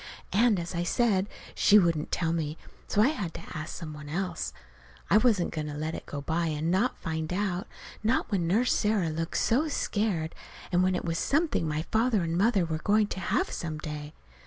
As I said, she wouldn't tell me, so I had to ask some one else. I wasn't going to let it go by and not find out not when Nurse Sarah looked so scared, and when it was something my father and mother were going to have some day.